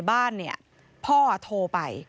เปิดฮะ